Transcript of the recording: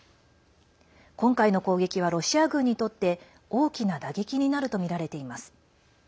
今回の攻撃はロシア軍にとって大きな打撃になるとみられています。